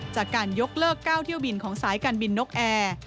จากการยกเลิก๙เที่ยวบินของสายการบินนกแอร์